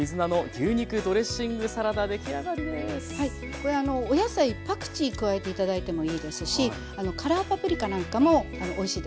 これお野菜パクチー加えて頂いてもいいですしカラーパプリカなんかもおいしいです。